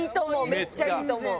めちゃいいと思う。